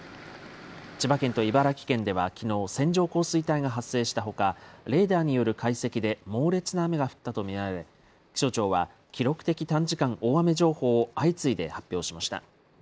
千葉県と茨城県では、きのう、線状降水帯が発生したほか、レーダーによる解析で猛烈な雨が降ったと見られ、気象庁は記録的短時間大雨情報を相次いで発表しました。